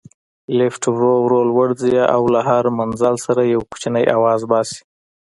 لفټ ورو ورو لوړ ځي او له هر منزل سره یو کوچنی اواز باسي.